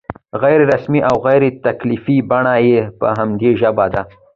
غیر رسمي او غیر تکلفي بڼه یې په همدې ژبه ده.